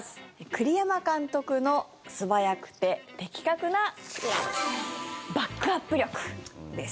栗山監督の素早くて的確なバックアップ力です。